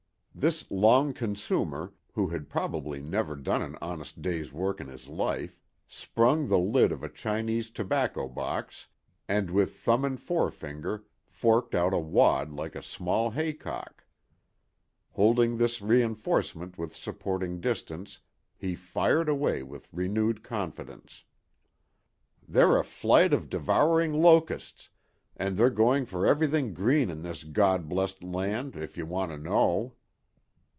This long consumer, who had probably never done an honest day's work in his life, sprung the lid of a Chinese tobacco box and with thumb and forefinger forked out a wad like a small haycock. Holding this reinforcement within supporting distance he fired away with renewed confidence. "They're a flight of devouring locusts, and they're going for everything green in this God blest land, if you want to know."